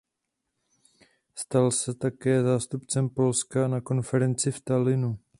Stal se také zástupcem Polska na konferenci v Tallinnu.